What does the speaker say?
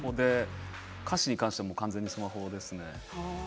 歌詞に関しては完全にスマホですね。